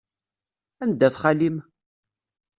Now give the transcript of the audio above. Anda-t xali-m?